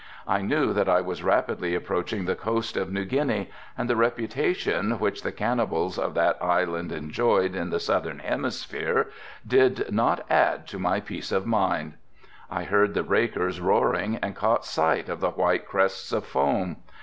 I knew that I was rapidly approaching the coast of New Guinea and the reputation which the cannibals of that island enjoyed in the southern hemisphere did not add to my peace of mind. I heard the breakers roaring and caught sight of the white crests of foam.